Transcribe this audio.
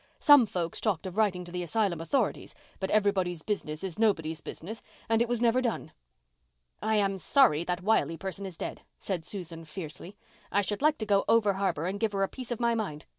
Some folks talked of writing to the asylum authorities but everybody's business is nobody's business and it was never done." "I am sorry that Wiley person is dead," said Susan fiercely. "I should like to go over harbour and give her a piece of my mind.